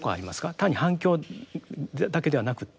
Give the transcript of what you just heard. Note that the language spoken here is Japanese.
他に反共だけではなくって。